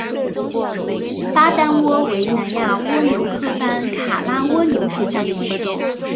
巴丹蜗为南亚蜗牛科班卡拉蜗牛属下的一个种。